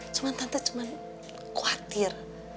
cuman tante cuman khawatir